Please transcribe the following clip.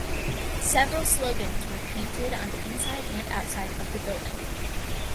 Several slogans were painted on the inside and outside of the building.